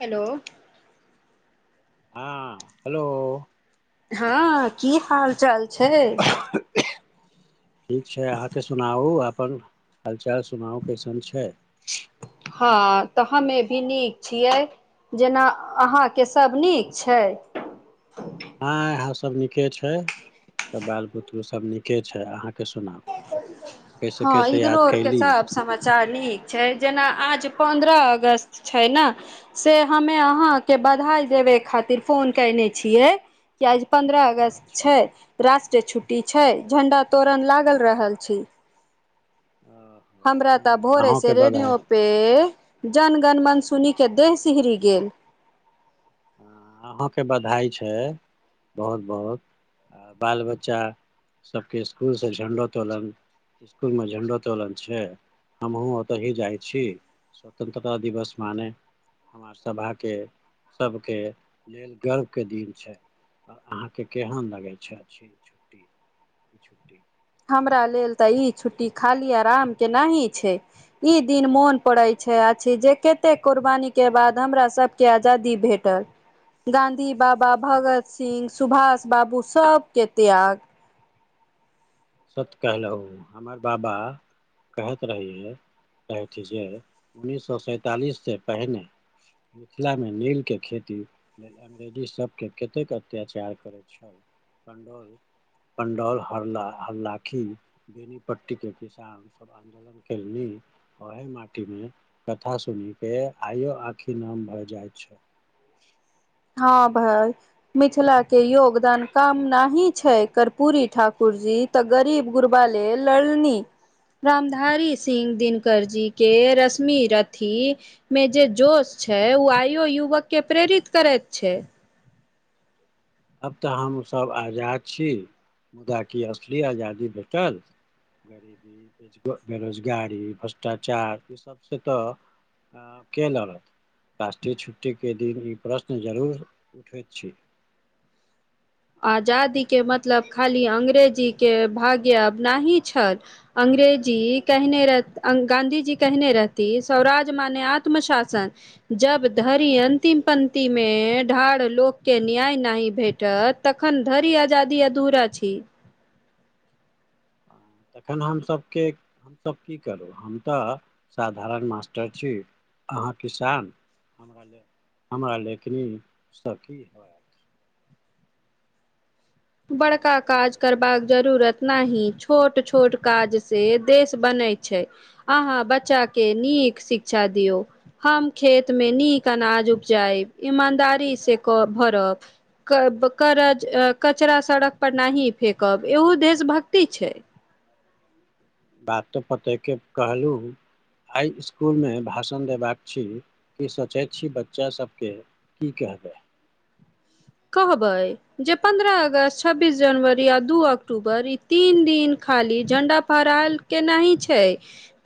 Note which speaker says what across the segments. Speaker 1: Hello
Speaker 2: हँ hello
Speaker 1: हँ की हाल चाल छै
Speaker 2: ठीक छै अहाँके सुनाउ अपन हालचाल सुनाउ कइसन छय
Speaker 1: हँ तऽ हमे भी नीक छियै जेना अहाँ के सब नीक छै
Speaker 2: हँ इहां सब निके छय सब बाल बुतरु सब निके छय अहाँ के सुनाउ कैसे कैसे याद कयली
Speaker 1: अचछा नीक छै जेना आज पन्द्रह अगस्त छय न से हमे अहाँ के बधाइ देबै खातिर फोन कयने छियै कि आइ पन्द्रह अगस्त
Speaker 2: अच्छा
Speaker 1: छय राष्ट्रीय छुट्टी छै झंडा तोरन लागल रहल छय
Speaker 2: ओ
Speaker 1: हमरा तऽ भोरेसँ रेडियो पे जनगण मन सूनिके देह सिहरी गेल
Speaker 2: हँ अहाँके बधाई छै बहुत बहुत आ बाल बच्चा सबके इसकुलसँ झण्डो तोलन इसकुलमे झण्डो तोलन छै हमहुँ ओतहि जाइ छी स्वतन्त्रता दिवस माने हमर सभाके सबके लेल गर्वके दिन छै आ अहाँके केहन लगै छय छुट्टी ई छुट्टी
Speaker 1: हमरा लेल तऽ ई छुट्टी खाली आरामके नही छै ई दिन मोन पड़य छय आ जे कते कुर्बानी के बाद हमरा सब के आजादी भेटल गाँधी बाबा भगत सिंह सुभाष बाबू सबके त्याग
Speaker 2: सत कहलहु हमर बाबा कहत रहियै जे [unintelligible] उन्निस सो सैंतालिससँ पहिने मिथिलामे नील के खेती आ लेडिस सबके कतेक अत्याचार करैत छल। पंडौल हरलाखी बेनीपट्टी के किसान सब। आन्दोलन केलवी। ओहे माटी मे कथा सुनि के आइयो आँखि नम भए जाइत छै।
Speaker 1: हँ भाइ मिथिला के योगदान कम नहि छै कर्पूरी ठाकुर जी। तऽ गरीब गुरबा लेल लड़नी। रामधारी सिंह दिनकर जीके रशमि रथी। मे जे जोश छैय ओ आइयो युवक के प्रेरित करैत छैय।
Speaker 2: आब तऽ हमसभ आजाद छी। मुदा की असली आजादी भेटल। गरीबी ब बेरोजगारी भ्रष्टाचार ई सबसँ तऽ आ के लड़त राष्ट्रीय छुट्टीके दिन ई प्रश्न जरूर उठैत छै।
Speaker 1: आजादीके मतलब खाली अग्रेजीके भाग्याब अबनाही छैथ। अंग्रेजी कहने रह गाँधी जी कहने रहथि स्वराज माने आत्मशासन। जब धरि अन्तिम पंक्तिमे ढाढ़ लोककेँ न्याय नहि भेटत। तखन धरि आजादी अधूरा छी।
Speaker 2: तखन हमसभके। हमसभ की करू हम तऽ साधारण मास्टर छी। अहाँ किसान हमरा हमरा ले की नी सखी। हमरा
Speaker 1: बड़का काज
Speaker 2: लोकनिसँ की
Speaker 1: करबाक
Speaker 2: होयत
Speaker 1: जरूरत। छोट छोट काज से देश बनय छै। अहाँ बच्चाके नीक शिक्षा दियौ। हम खेत मे नीक अनाज उपजायब ईमानदारी से भरब। करज कचरा सड़क पर नहि फेेकब ऐहो देशभक्ति छेय।
Speaker 2: बात तऽ फतेह कहलहु। हाइ इसकुल मे भाषण देबाक छी कि सोचैत छी बच्चा सबके। की कहबैय।
Speaker 1: कहबैय। जे पन्द्रह अगस्त छब्बीस जनवरी आ दू अक्टूबर ई तीन दिन खाली झण्डा फहरायल। के नहि छै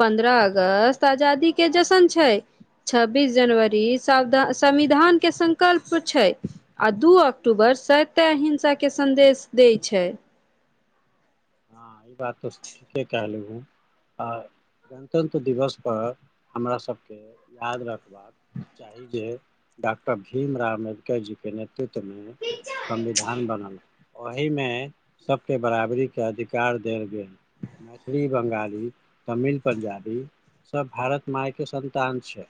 Speaker 1: पन्द्रह अगस्त आजादी के जशन छैय। छब्बीस जनवरी साविधान संविधानके सगंक्ल्प छै। आ दू अक्टूबर सत्य अंहिसाके सन्देश दैत छै।
Speaker 2: हँ ई बात तऽ ठीके कहलहु। आ गणतन्त्र दिवसपर हमरा सभके याद रखबाक। चाही जे डॉक्टर भीमराव अम्बेडकर जी के ने। नेतृव मे संविधान बनल ओहिमे सबके बराबरी। के अधिकार देल गेल। मैथिली बंगाली तमिल पंजाबी सभ भारत मायके सन्तान छै।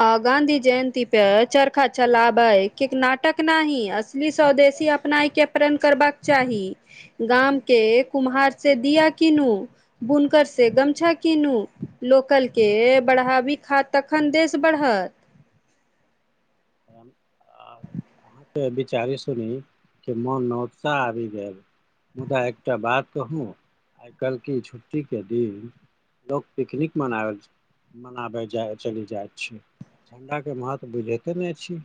Speaker 1: आ गाँंधी जयन्ती पे चरखा चलाबै के नाटक नाहि ही असली स्वदेशी। अपनाय के प्रण करबाक चाही गाम के कुम्हार से दिया किनु। बुनकर से गमछा कीनू लोकल के बढ़ाबी खा तखन देश। बढ़त।
Speaker 2: फोन आ। हँ त, विचारी सुनी के मन न उत्साह आ गेल। मुदा एकटा बात कहूँ? आइ काल्हि क छुट्टीके दिन, लोक पिकनिक मनायल छै। मनाबे जा चलि जाइत छी, ठण्डाे महत्व बुझैते ने छी।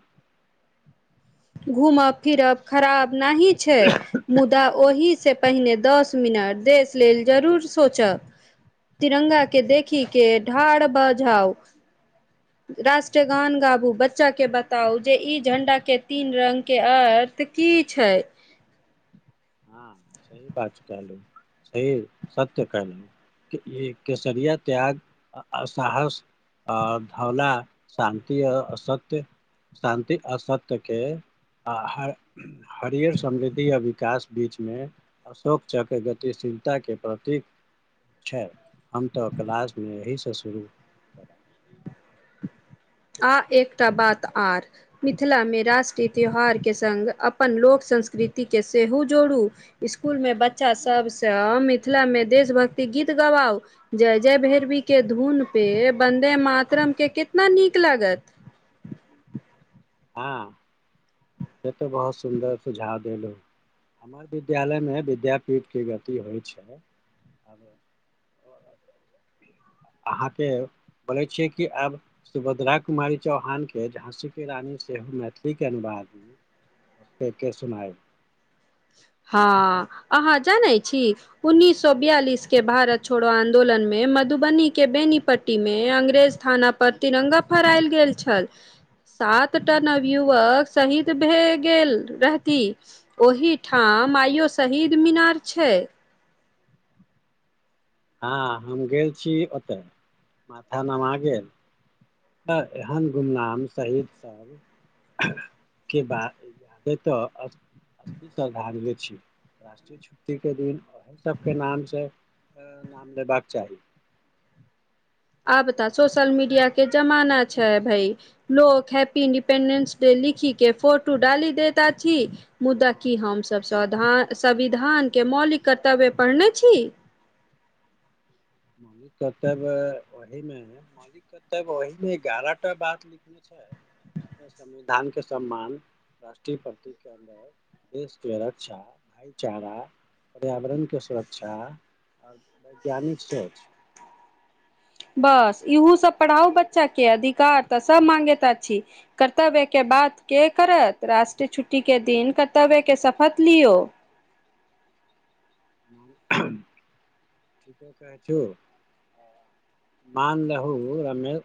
Speaker 1: घूमब फिरब खराब न ही छै, मुदा ओ ओहिसँ पहिने, दस मिनट देश लेल जरूर सोचऽ। तिरंगा के देखी के ठाड़ भ जाउ। राष्ट्रगान गाबू, बच्चा के बताउ, जे ई झण्डा के तीन रङ्गके अर्थ की छै।
Speaker 2: हँ, सही बात कलू, सही सत्य कलहु। केसरिया त्याग, आ साहस आर धौला शान्ति आ असत्य। शान्ति असत्यके, आ हरियर समृद्धि आ विकास बीचमे, अशोक चक्र गतिशीलता के प्रतीक छै, हम तऽ क्लासमे एहिसँ शुरू
Speaker 1: आ एकटा बात आर। मिथिलामे राष्ट्रीय त्यौहारके संगङ्ग, अपन लोक संस्कृतिके सेहो जोड़ू। स्कुल मे बच्चा सब त मिथिला में देश भक्ति गीत गवाओ, जय -जय भैरवी के धुन पे, बन्दे मातरम के कितना नीक लागत।
Speaker 2: हँ, से तऽ बहुत सुन्दर सुझा देलहु। हमर विद्यालयमे विद्यापीठके गीत होइ छै, आब
Speaker 1: [inaudible]
Speaker 2: अहाँके? बोले छियै कि, आब सुभद्रा कुमारी चौहान के, झाँसी के रानी से, मैथिलीके अनुवादमे के-के सुनायब।
Speaker 1: हँ अहाँ जानैत छी? उन्ननीस सए बियालिस के भारत छोड़ो आंन्दोलन मे, मधुबनी के बेनीपट्टी में, अंग्रेज थाना पर, तिरंगा फहरायल गेल छल। सात टा नवयुवक शहीद भए गेल रहती, ओहि ठाम आइयो शहीद मीनार छै।
Speaker 2: हाँ हम गेल छी ओतऽ, माथा नमा गेल। तऽ, एहन गुमनाम शहीद सब के बात याद आबै तऽ अी श्रद्धांजलि छी, राष्ट्रीय छुट्टीके दिन ओहो सबके नाम छै। तऽ नाम लेबाक चाही।
Speaker 1: आब तऽ सोशल मीडिया के जमाना छै भई। लोक हैप्पी इंडिपेंडेंस डे लिखी के, फोटो डाली देत आछि। मुदा की हमसब सवधान संविधान के मौलिक कर्तव्य पढ़ने छी?
Speaker 2: मौलिक कर्तव्य ओही में मौलिक कर्तव्य ओहि में, एगारह टा बात लिखने छै। संविधान के सम्मान राष्ट्रीय प्रति के अन्दर देश के रक्षा, भाईचारा, पर्यावरण के सुरक्षा। आ वैज्ञानिक सऽ
Speaker 1: बस इहु सब पढ़ाऊ बच्चा के, अधिकार तऽ सब मांगेत आछी। कर्तव्य के बात के करत राष्ट्रीय छुट्टी के दिन कर्तव्य के शपथ लियौ।
Speaker 2: हां। ठीके कहै छो हां मान लेहो रमे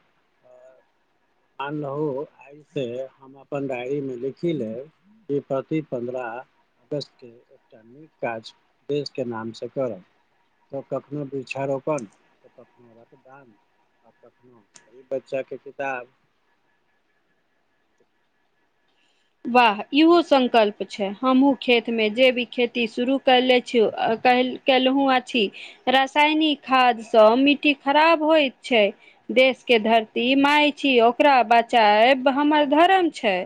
Speaker 2: मान लहो आय ऐ से हम अपन डायरी में लिखी लेब की प्रति-पंद्रा अगस्त के दुटा नीक काज देश के नाम से करब तऽ कखनो वृक्षा रोपण कखनो रक्तदान आ कखनो गरीब बच्चा के किताब तऽ
Speaker 1: वाह इहो संकल्प छै, हम्हूँ खेत में जे भी खेती शुरू करलै छियौ आ काएल केलहुं अछि, रसायनिक खाद्य सऽ मिट्टी खराब होएत छै। देश के धरती माय छी ओकरा बचाएब हमर धर्म छै।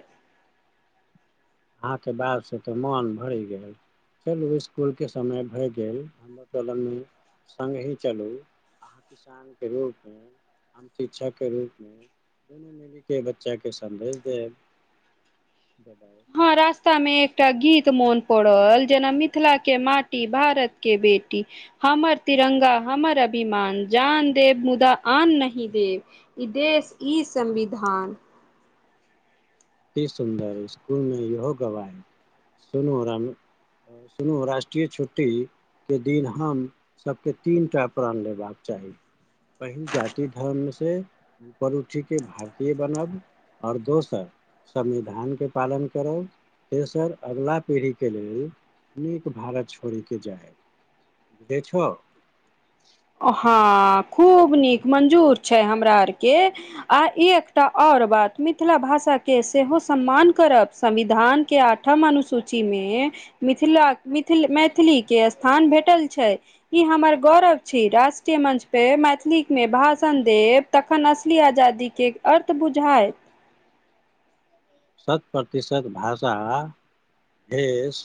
Speaker 2: अहाँ के बात से तऽ मोन भैर गेल चलू स्कूल के समय भए गेल हमरा कलम में संगहि चलू अहां किसान के रूप में हम शिक्षक के रूप में दुनू मिली के बच्चा के संन्देश देब।
Speaker 1: हां रास्ता में एकटा गीत मोन पड़ल जेना मिथिला के माटी, भारत के बेटी हमर तिरंगा हमर अभिमान जान देब मुदा आन नही देब। ई देश ई संविधान
Speaker 2: की सुन्दर स्कूल में इहो गवाही सुनू राम सुनू राष्ट्रीय छुट्टी के दिन हम सबके तीन टा प्रण लेबाक चाही। पहिल जाति धर्म से ऊपर उठी के भारतीय बनब और दोसर संविधान के पालन करब तेसर अगला पीढ़ी के लेल नीक भारत छोड़ी के जाय [unintelligible] छो।
Speaker 1: हां खूब नीक मंजूर छै हमरा आर के। आ एकटा और बात मिथिला भाषा के सेहो सम्मान करब संविधान के आ ठम अनुसूची में मिथिला मिथिल मैथिली के स्थान भेटल छै। ई हमर गौरव छै, राष्ट्रीय मंच पे मैथिलीक में भाषण देब तखन असली आजादी के अर्थ बुझाय
Speaker 2: शत प्रतिशत भाषा, भेष,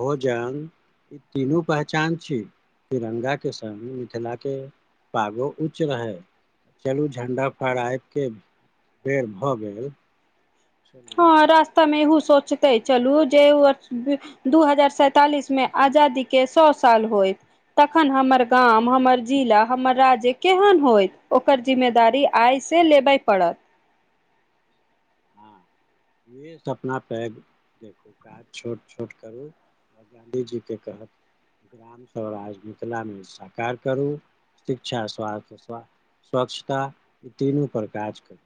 Speaker 2: भोजन ई तीनू पहचान छीयै, तिरंगा के संग मिथिला के पागो ऊच रहय, चलू झण्डा फहड़ाय के बेर भऽ गेलय।
Speaker 1: हां रास्ता मे एहू सोचते चलू जे [unintelligible] दू हजार सैंतालिस मे आजादी के सौ साल होएत। तखन हमर गाम हमर जिला हमर राज्य केहेन होएत ओकर जिम्मेदारी आय से लेबय पड़त।
Speaker 2: हां इहै सपना पैघ देखू काज छोट-छोट करू। आ गाँधी जी के तरह ग्राम स्वराज्य मिथिला मे साकार करू, शिक्षा, स्वास्थ्य, स्वा स्वच्छता ई तीनू पर काज करू।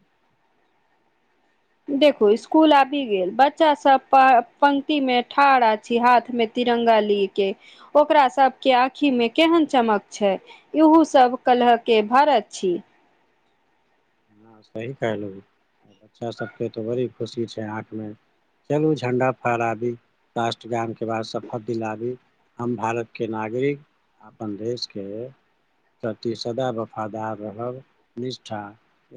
Speaker 1: देखु स्कूल आबि गेल, बच्चा सब पऽ पंक्ति में ठाढ़ अछि हाथ में तिरंगा लिय के, ओकरा सब के आंखि में केहन चमक छै। इहू सब कलह के भारत छी।
Speaker 2: हां, सही कहलहु, बच्चा सभके तऽ बड़ी खुशी छै आँख में चलू झण्डा फहराबी, राष्ट्रगान के बाद शपथ दिलाबी। हम भारत के नागरिक, अपन देश के प्रति सदा वफादार रहब, निष्ठा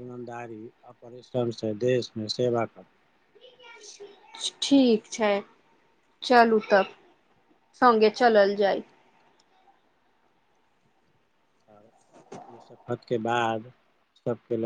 Speaker 2: ईमानदारी आ परिश्रम से देश में सेवा करब
Speaker 1: ठीक छै, चलू तब संगे चलल जाय।
Speaker 2: इ शपथ के बाद सबके ल